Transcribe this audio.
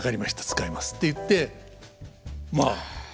使います」って言ってまあ